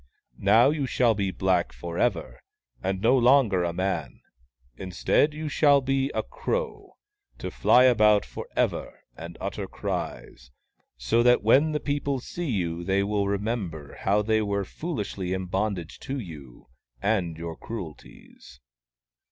" Now you shall be black for ever, and no longer a man. Instead, you shall be a crow, to fly about for ever and utter cries, so that when the people see you they will remember how they were foolishly in bondage to you and your cruelties."